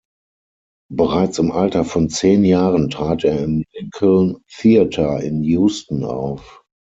Bereits im Alter von zehn Jahren trat er im "Lincoln Theatre" in Houston auf.